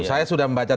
saya sudah membaca